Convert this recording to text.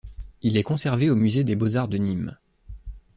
Il est conservé au musée des beaux-arts de Nîmes.